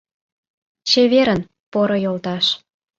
Чеверын, поро йолташ!..